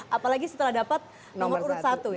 apalagi setelah dapat nomor urut satu ya